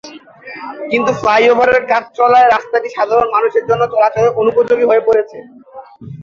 কিন্তু ফ্লাইওভারের কাজ চলায় রাস্তাটি সাধারণ মানুষের জন্য চলাচলের অনুপযোগী হয়ে পড়েছে।